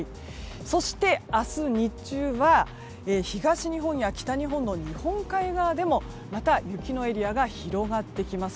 そして、明日日中は東日本や北日本の日本海側でも、また雪のエリアが広がってきます。